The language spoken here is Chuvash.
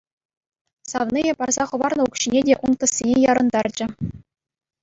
Савнийӗ парса хӑварнӑ укҫине те ун кӗсйине ярӑнтарчӗ.